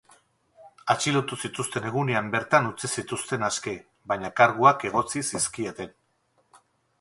Atxilotu zituzten egunean bertan utzi zituzten aske, baina karguak egotzi zizkieten.